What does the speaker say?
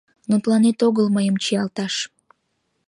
Но тыланет огыл мыйым чиялташ!